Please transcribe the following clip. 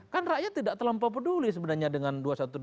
kan rakyat tidak terlampau peduli sebenarnya dengan dua ratus dua belas